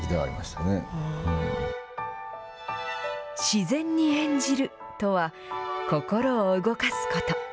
自然に演じるとは、心を動かすこと。